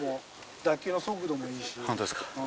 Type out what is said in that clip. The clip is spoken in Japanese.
本当ですか？